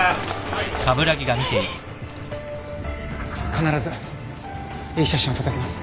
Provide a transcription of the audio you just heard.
必ずいい写真を届けます。